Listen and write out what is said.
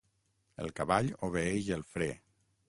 El cavall obeeix el fre.